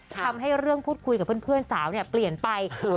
ทำให้เรื่องพูดคุยกับเพื่อนสาวเนี่ยเปลี่ยนไป